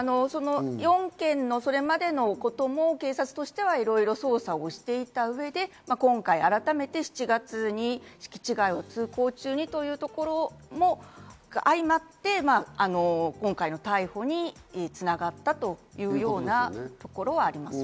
４件のそれまでのことも警察としてはいろいろ捜査をしていた上で、今回、改めて７月に敷地外を通行中にというところもあいまって今回の逮捕に繋がったというようなところはあります。